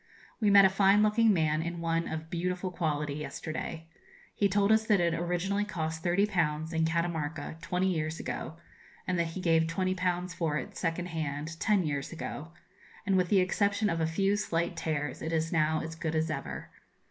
We met a fine looking man in one of beautiful quality yesterday. He told us that it originally cost 30_l_. in Catamarca, twenty years ago, and that he gave 20_l_. for it, second hand, ten years ago; and, with the exception of a few slight tears, it is now as good as ever.